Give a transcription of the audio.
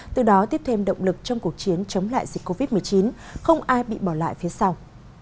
từ đó tiếp thêm động lực trong cuộc chiến chống lại dịch covid một mươi chín không ai bị bỏ lại phía sau